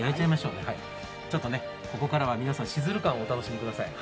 ここからは皆さん、シズル感をお楽しみください。